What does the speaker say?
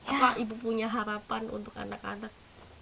apa ibu punya harapan untuk anak anak